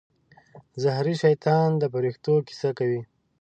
زهري شیطان د فرښتو کیسه کوي.